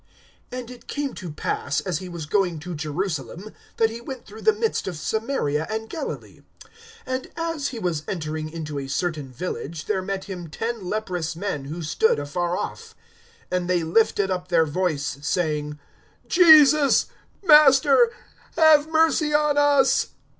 (11)And it came to pass, as he was going to Jerusalem, that he went through the midst of Samaria and Galilee. (12)And as he was entering into a certain village, there met him ten leprous men, who stood afar off. (13)And they lifted up their voice, saying: Jesus, Master, have mercy on us.